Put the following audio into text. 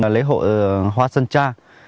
lấy hộ hoa sơn cha